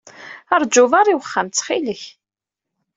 Rju berra i uxxam, ttxil-k!